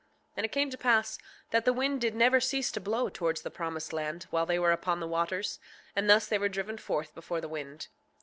6:8 And it came to pass that the wind did never cease to blow towards the promised land while they were upon the waters; and thus they were driven forth before the wind.